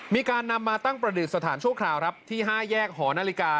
มีการนำมาตั้งประดิษฐานชั่วคราวครับที่๕แยกหอนาฬิกา